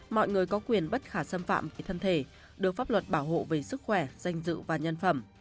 mọi người có quyền bất khả xâm phạm về thân thể được pháp luật bảo hộ về sức khỏe danh dự và nhân phẩm